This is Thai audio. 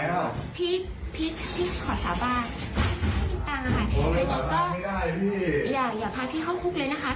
ได้พี่เข้ามาพี่จะมาส่งอะไรครับ